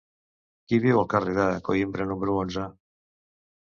Qui viu al carrer de Coïmbra número onze?